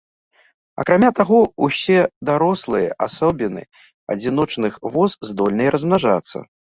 Акрамя таго, усе дарослыя асобіны адзіночных вос здольныя размнажацца.